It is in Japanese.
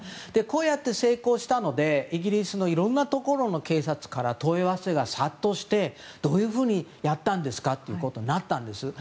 こうやって成功したのでイギリスのいろんなところで問い合わせが殺到してどうやったんですかということになったんです。